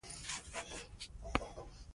د ښځو کرامت باید تل خوندي وي.